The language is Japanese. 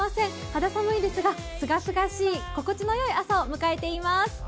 肌寒いですがすがすがしい心地のいい朝を迎えています。